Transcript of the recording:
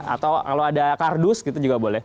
atau kalau ada kardus gitu juga boleh